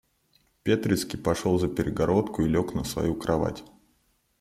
Петрицкий пошел за перегородку и лег на свою кровать.